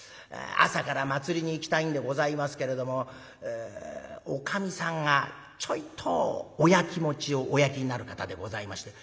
朝から祭りに行きたいんでございますけれどもおかみさんがちょいとおやきもちをおやきになる方でございまして。